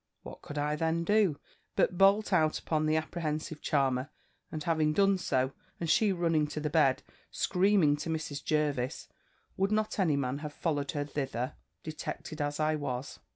What could I then do, but bolt out upon the apprehensive charmer; and having so done, and she running to the bed, screaming to Mrs. Jervis, would not any man have followed her thither, detected as I was?